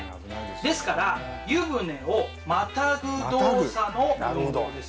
ですから湯船をまたぐ動作の運動ですよ。